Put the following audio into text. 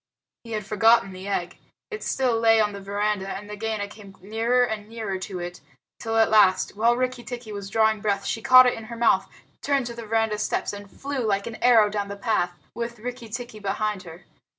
He had forgotten the egg. It still lay on the veranda, and Nagaina came nearer and nearer to it, till at last, while Rikki tikki was drawing breath, she caught it in her mouth, turned to the veranda steps, and flew like an arrow down the path, with Rikki tikki behind her.